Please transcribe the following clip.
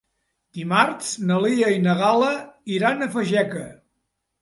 Dimarts na Lia i na Gal·la iran a Fageca.